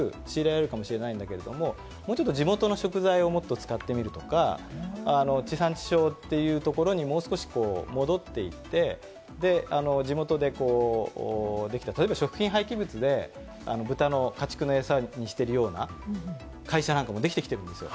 大きいところから買えば安く仕入れられるかもしれないけど、地元の食材をもっと使ってみるとか、地産地消というところにもうちょっと戻っていって、地元で、例えば食品廃棄物で豚の家畜のエサにしているような会社なんかもできているんですよ。